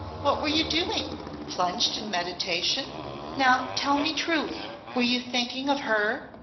What were you doing? Plunged in meditation? Now tell me truly, were you thinking of her?